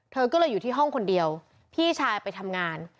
เธอก็เลยอยู่ที่ห้องคนเดียวพี่ชายไปทำงาน